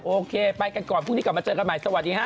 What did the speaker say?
โอเคไปกันก่อนพรุ่งนี้กลับมาเจอกันใหม่สวัสดีฮะ